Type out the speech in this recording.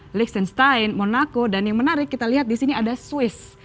dresenstein monaco dan yang menarik kita lihat disini ada swiss